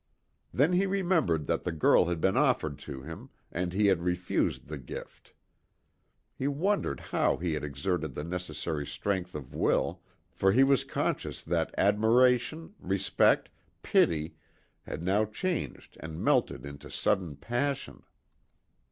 Then he remembered that the girl had been offered to him and he had refused the gift. He wondered how he had exerted the necessary strength of will, for he was conscious that admiration, respect, pity, had now changed and melted into sudden passion.